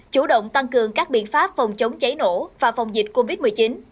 chủ động tăng cường các biện pháp phòng chống cháy nổ và phòng dịch covid một mươi chín